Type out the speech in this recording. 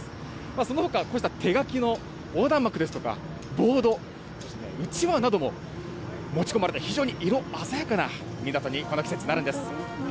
そのほかこうした手書きの横断幕ですとか、ボード、うちわなども持ち込まれて、非常に色鮮やかな港に、この季節なるんです。